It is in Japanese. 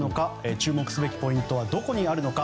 注目すべきポイントはどこにあるのか。